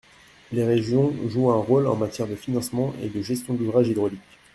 Les régions jouent un rôle en matière de financement et de gestion d’ouvrages hydrauliques.